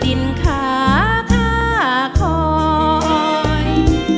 ดินขาผ้าคอย